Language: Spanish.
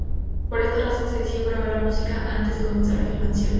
Por esta razón se decidió grabar la música antes de comenzar la filmación.